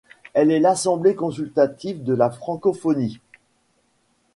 Elle est l'assemblée consultative de la francophonie.